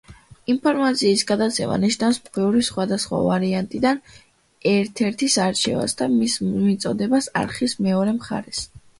ინფორმაციის გადაცემა ნიშნავს ბევრი სხვადასხვა ვარიანტიდან ერთ-ერთის არჩევას და მის მიწოდებას არხის მეორე მხარეს.